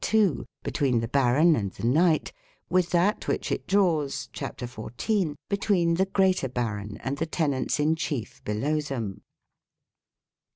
2) between the "baron" and the " knight" with that which it draws (cap. 14) between the "greater baron" and the tenants in chief below them.